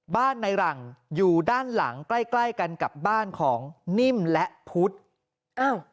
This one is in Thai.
ในหลังอยู่ด้านหลังใกล้ใกล้กันกับบ้านของนิ่มและพุทธอ้าว